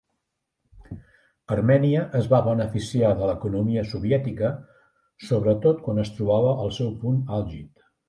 Armènia es va beneficiar de l'economia soviètica, sobretot quan es trobava al seu punt àlgid.